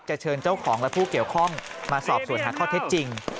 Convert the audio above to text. เชิญเจ้าของและผู้เกี่ยวข้องมาสอบสวนหาข้อเท็จจริง